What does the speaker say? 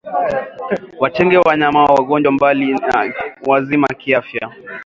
Watenge wanyama wagonjwa mbali na wazima kiafya